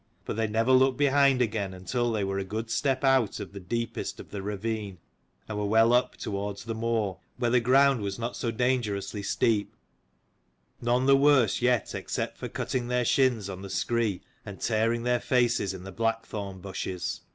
But they never looked behind again until they were a good step out of the deepest of the 140 ravine, and well up towards the moor, where the ground was not so dangerously steep ; none the worse yet except for cutting their shins on the scree, and tearing their faces in the black thorn bushes.